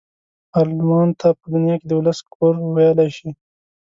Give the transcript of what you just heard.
پارلمان ته په دنیا کې د ولس کور ویلای شي.